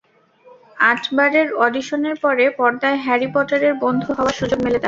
আটবারের অডিশনের পরে পর্দায় হ্যারি পটারের বন্ধু হওয়ার সুযোগ মেলে তাঁর।